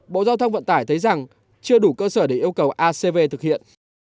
bộ giao thông vận tải thấy rằng chưa đủ cơ sở để yêu cầu acv thực hiện